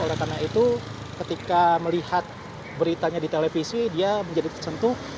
oleh karena itu ketika melihat beritanya di televisi dia menjadi tersentuh